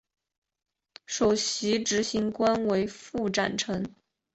首席执行官为符展成。